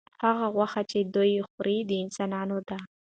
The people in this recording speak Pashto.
هغه غوښې چې دوی یې خوري، د انسانانو دي.